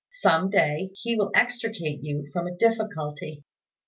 Some day he will extricate you from a difficulty."